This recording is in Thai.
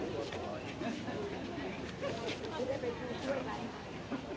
สวัสดีสวัสดีครับ